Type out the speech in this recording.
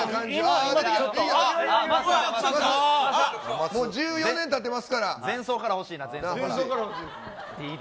あっ、もう１４年たってますから。